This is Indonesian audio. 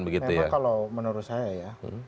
memang kalau menurut saya ya